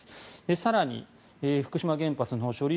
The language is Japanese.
更に、福島原発の処理